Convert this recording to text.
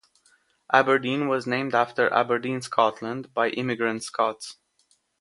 Aberdeen was named after Aberdeen, Scotland, by immigrating Scots.